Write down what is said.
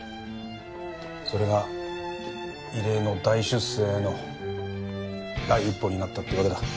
それが異例の大出世への第一歩になったってわけだ。